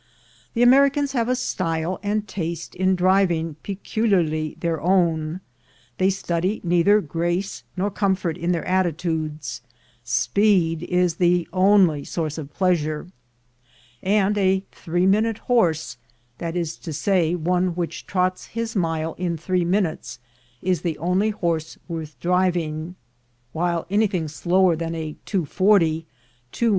The Americans have a style and taste in driving peculiarly their own; they study neither grace nor comfort in their attitudes; speed is the only source of pleasure; and a "three minute LIFE AT HIGH SPEED 89 horse" — that is to say, one which trots his mile in three minutes — is the only horse worth driving; while anything slower than a "two forty (2m.